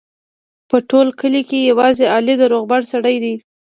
په ټول کلي کې یوازې علي د روغبړ سړی دی.